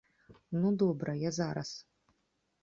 Ну добра, я зараз.